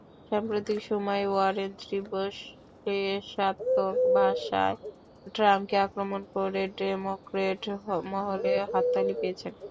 সাম্প্রতিক সময়ে ওয়ারেন তীব্র শ্লেষাত্মক ভাষায় ট্রাম্পকে আক্রমণ করে ডেমোক্রেট মহলে হাততালি পেয়েছেন।